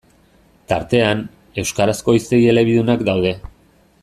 Tartean, euskarazko hiztegi elebidunak daude.